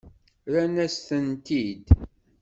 Rrant-as-tent-id.